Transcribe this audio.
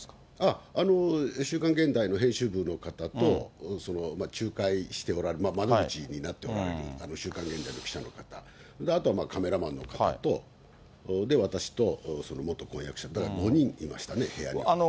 週刊現代の編集部の方と、仲介しておられる、窓口になっておられる週刊現代の記者の方、あとはカメラマンの方と、私と元婚約者、５人いましたね、部屋には。